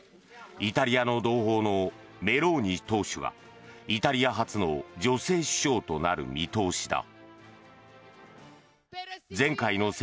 イタリアの同胞のメローニ党首がイタリア初の女性首相となる見通しだ。